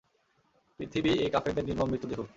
পৃথিবী এই কাফেরদের নির্মম মৃত্যু দেখুক।